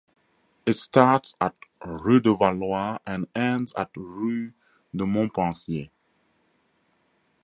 It starts at Rue de Valois and ends at Rue de Montpensier.